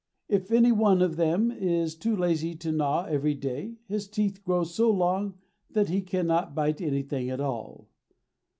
If any one of them is too lazy to gnaw every day his teeth grow so long that he cannot bite anything at all.